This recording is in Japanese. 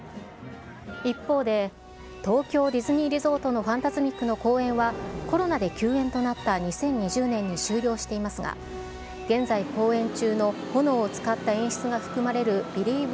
一方で、東京ディズニーリゾートのファンタズミック！の公演はコロナで休園となった２０２０年に終了していますが、現在、公演中の炎を使った演出が含まれる、ビリーヴ！